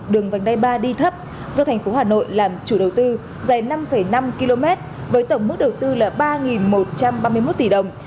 đường vành đai ba đi thấp do thành phố hà nội làm chủ đầu tư dài năm năm km với tổng mức đầu tư là ba một trăm ba mươi một tỷ đồng